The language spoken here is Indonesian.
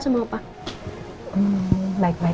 sebagus anda sendiri